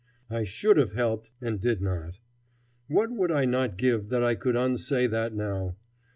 I should have helped and did not. What would I not give that I could unsay that now!